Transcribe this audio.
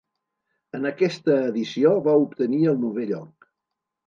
En aquesta edició va obtenir el novè lloc.